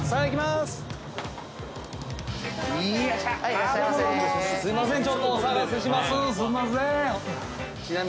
すんません。